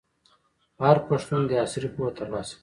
هر پښتون دي عصري پوهه ترلاسه کړي.